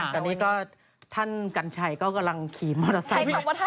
แต่นี่ก็ท่านกัญชัยก็กำลังขี่มอเตอร์ไซค์